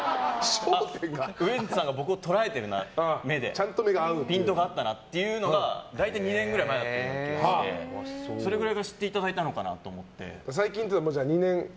ウエンツさんが僕を捉えているなピントが合ったなというのが大体２年ぐらい前でしてそれくらいから知っていただいたのかなと思って。